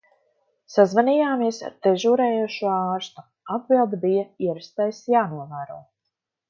Sazvanījāmies ar dežūrējošo ārstu, atbilde bija ierastais "jānovēro".